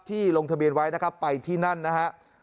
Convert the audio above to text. ลงทะเบียนไว้นะครับไปที่นั่นนะฮะ